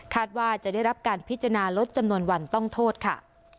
ว่าจะได้รับการพิจารณาลดจำนวนวันต้องโทษค่ะ